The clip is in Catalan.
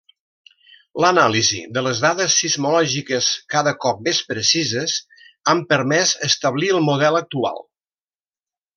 L'anàlisi de les dades sismològiques, cada cop més precises, han permès establir el model actual.